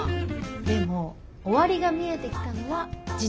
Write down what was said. でも終わりが見えてきたのは事実だね。